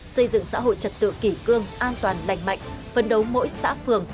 xây dựng xã hội trật tự kỷ cương an toàn lành mạnh phân đấu mỗi xã phường